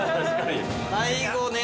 ◆最後ね。